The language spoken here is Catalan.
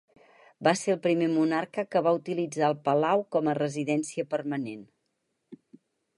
Va ser el primer monarca que va utilitzar el palau com a residència permanent.